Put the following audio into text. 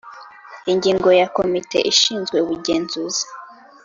Ingingo ya komite ishinzwe ubugenzuzi